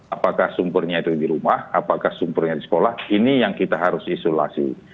apakah sumbernya itu di rumah apakah sumbernya di sekolah ini yang kita harus isolasi